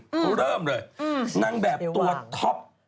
ก็เริ่มเลยนั่งแบบตัวท็อป